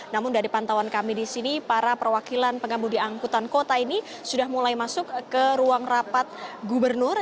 namun dari pantauan kami di sini para perwakilan pengemudi angkutan kota ini sudah mulai masuk ke ruang rapat gubernur